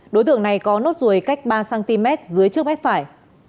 đối tượng này có nốt ruồi cách ba cm dưới trước mép phải